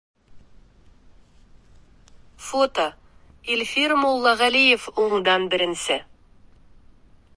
Фото: Илфир Муллағәлиев уңдан беренсе.